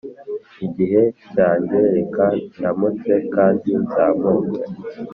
igihe cyanjye reka ndamutse kandi nzamuke